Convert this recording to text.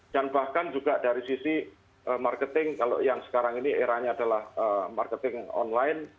dan bahkan juga dari sisi marketing kalau yang sekarang ini eranya adalah marketing online